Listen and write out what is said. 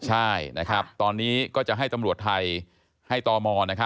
ใช่นะครับตอนนี้ก็จะให้ตำรวจไทยให้ตม